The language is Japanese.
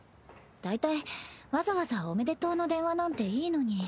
だいたいわざわざ「おめでとう」の電話なんていいのに。